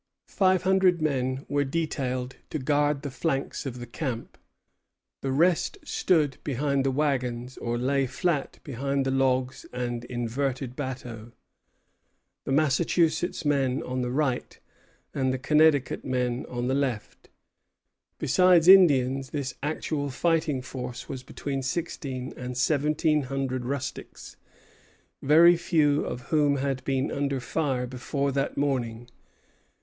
Five hundred men were detailed to guard the flanks of the camp. The rest stood behind the wagons or lay flat behind the logs and inverted bateaux, the Massachusetts men on the right, and the Connecticut men on the left. Besides Indians, this actual fighting force was between sixteen and seventeen hundred rustics, very few of whom had been under fire before that morning.